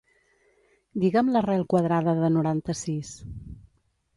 Digue'm l'arrel quadrada de noranta-sis.